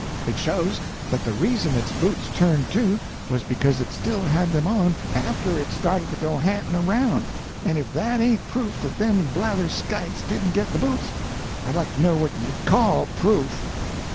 It shows that the reason its boots turned too was because it still had them on after it started to go ha'nting around, and if that ain't proof that them blatherskites didn't get the boots, I'd like to know what you'd call proof."